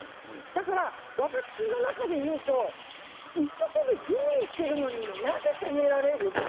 だから、私の中でいうと一生懸命、吟味してるのになぜ責められる？と。